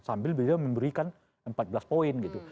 sambil beliau memberikan empat belas poin gitu